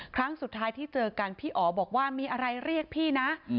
ครั้งสุดท้ายที่เจอกันพี่อ๋อบอกว่ามีอะไรเรียกพี่นะ